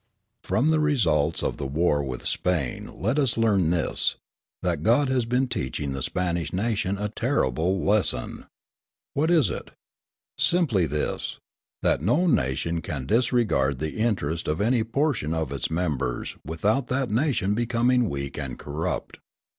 From the results of the war with Spain let us learn this, that God has been teaching the Spanish nation a terrible lesson. What is it? Simply this, that no nation can disregard the interest of any portion of its members without that nation becoming weak and corrupt.